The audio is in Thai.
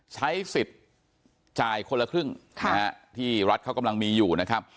ใช้สิทธิ์จ่ายคนละครึ่งที่รัฐเขากำลังมีอยู่นะครับ